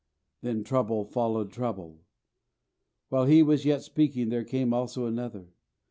Then trouble followed trouble. "While he was yet speaking, there came also another."